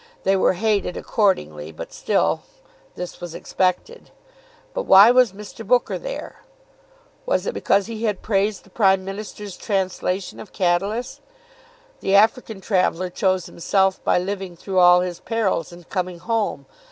They were hated accordingly, but still this was expected. But why was Mr. Booker there? Was it because he had praised the Prime Minister's translation of Catullus? The African traveller chose himself by living through all his perils and coming home.